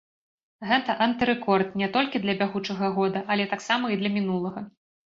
Гэта антырэкорд не толькі для бягучага года, але таксама і для мінулага.